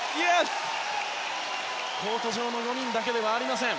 コート上の５人だけではありません。